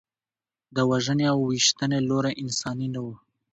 د وژنې او ویشتنې لوری انساني نه و.